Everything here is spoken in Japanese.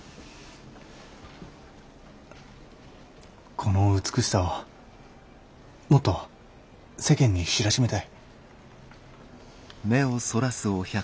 この美しさをもっと世間に知らしめたい。